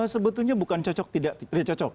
sebetulnya bukan cocok tidak cocok